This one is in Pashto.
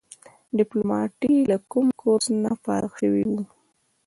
د پیلوټۍ له کوم کورس نه فارغ شوي وو.